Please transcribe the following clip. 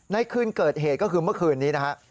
ในคืนเกิดเหตุก็คือเมื่อคืนนี้นะฮะ